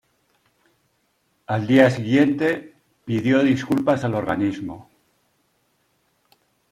Al día siguiente, pidió disculpas al organismo.